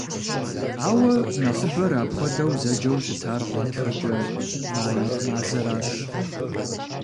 Ауэ нэхъыбэр апхуэдэу зэджэу щытар гъатхэкӀэ «май» мазэращ.